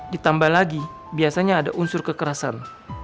ditambah lagi biasanya ada unsur kekerasan